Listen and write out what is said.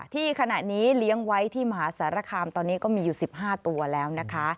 ที่ขณะนี้เลี้ยงไว้ที่มหาสารคามตอนนี้ก็มีอยู่๑๕ตัวแล้วนะคะ